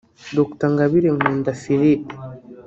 Dr Ngabire Nkunda Filippe